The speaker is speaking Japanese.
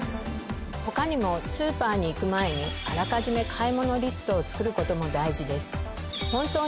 他にもスーパーに行く前にあらかじめ買い物リストを作ることも大事です。